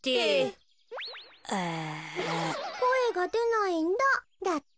「こえがでないんだ」だって。